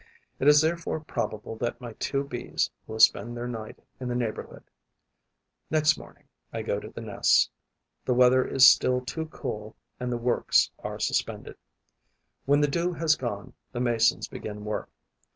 It is therefore probable that my two Bees will spend their night in the neighbourhood. Next morning, I go to the nests. The weather is still too cool and the works are suspended. When the dew has gone, the Masons begin work.